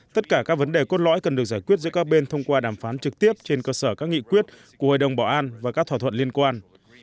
tất cả các vấn đề cốt lõi cần được giải quyết giữa các bên thông qua đàm phán trực tiếp trên cơ sở các nghị quyết của hội đồng bảo an và các thỏa thuận liên quan